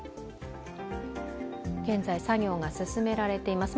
現在作業が進められています。